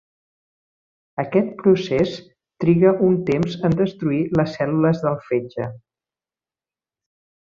Aquest procés triga un temps en destruir les cèl·lules del fetge.